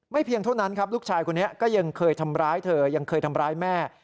เพียงเท่านั้นครับลูกชายคนนี้ก็ยังเคยทำร้ายเธอยังเคยทำร้ายแม่